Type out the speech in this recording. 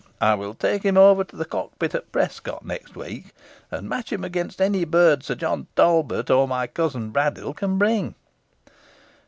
I will take him over to the cockpit at Prescot next week, and match him against any bird Sir John Talbot, or my cousin Braddyll, can bring."